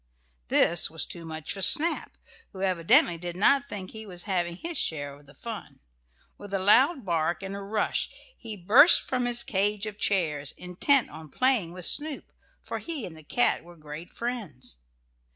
This was too much for Snap, who evidently did not think he was having his share of the fun. With a loud bark and a rush he burst from his cage of chairs, intent on playing with Snoop, for he and the cat were great friends.